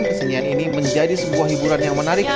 kesenian ini menjadi sebuah hiburan yang menarik